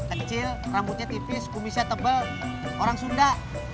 kecil rambutnya tipis kumisnya tebal orang sunda